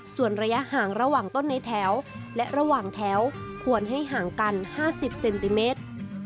ส่วนระยะห่างระหว่างต้นในแถวและระหว่างแถวควรให้ห่างกัน๕๐เซนติเมตร